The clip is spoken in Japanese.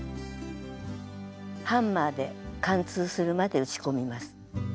ハンマーで貫通するまで打ち込みます。